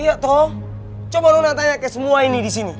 iya toh coba lo nantanya ke semua ini disini